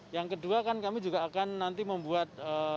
yang kedua kan kami juga akan nanti membuat